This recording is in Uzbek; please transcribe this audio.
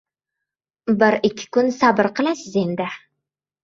Bir-ikki kun sabr qilasiz endi.